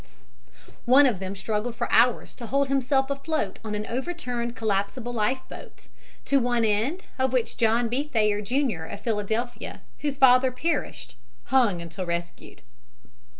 One of them struggled for hours to hold himself afloat on an overturned collapsible life boat, to one end of which John B. Thayer, Jr., of Philadelphia, whose father perished, hung until rescued.